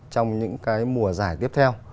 trong những cái mùa giải tiếp theo